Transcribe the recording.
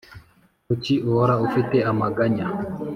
Kuki uhora ufite amaganya